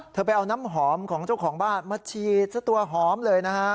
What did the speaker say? ไปเอาน้ำหอมของเจ้าของบ้านมาฉีดซะตัวหอมเลยนะฮะ